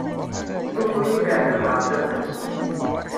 Sufeɣ-iyi leɛtab ɣer tafat.